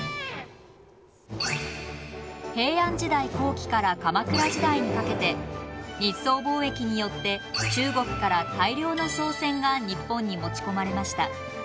平安時代後期から鎌倉時代にかけて日宋貿易によって中国から大量の宋銭が日本に持ち込まれました。